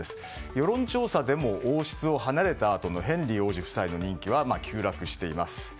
世論調査でも王室を離れたあとのヘンリー王子夫妻の人気は急落しています。